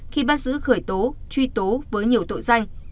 khi bắt giữ khởi tố truy tố với nhiều tội danh